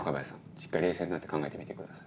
しっかり冷静になって考えてみてください。